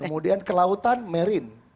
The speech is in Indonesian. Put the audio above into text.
kemudian kelautan marine